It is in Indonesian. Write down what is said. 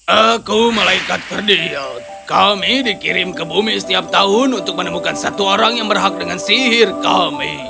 aku malaikat perdil kami dikirim ke bumi setiap tahun untuk menemukan satu orang yang berhak dengan sihir kami